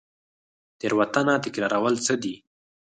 تیروتنه تکرارول څه دي؟